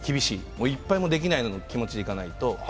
もう１敗もできない気持ちでいかないと。